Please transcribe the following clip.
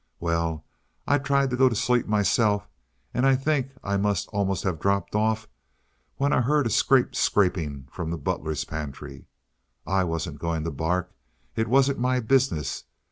Well, I tried to go to sleep myself, and I think I must almost have dropped off, when I heard a scrape scraping from the butler's pantry. I wasn't going to bark. It wasn't my business.